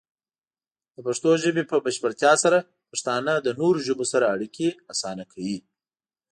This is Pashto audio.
د پښتو ژبې په بشپړتیا سره، پښتانه د نورو ژبو سره اړیکې اسانه کوي.